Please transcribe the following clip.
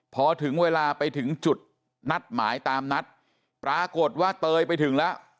พอถึงเวลาไปถึงจุดนัดหมายตามนัดปรากฏว่าเตยไปถึงแล้ว